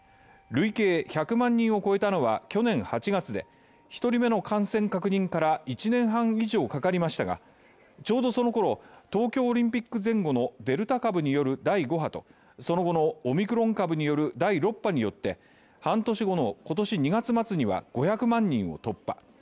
累計１００万人を超えたのは去年８月で１人目の感染確認から１年半以上かかりましたがちょうど、そのころ東京オリンピック前後のデルタ株による第５波とその後のオミクロン株による第６波によって半年後の今年２月末には５００万人を突破。